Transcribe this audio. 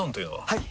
はい！